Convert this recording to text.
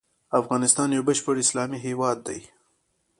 افغانستان يو بشپړ اسلامي هيواد دی.